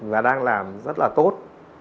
và đang làm rất là tốt